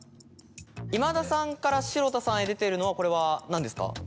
今田さんから城田さんへ出てるのはこれは何ですか？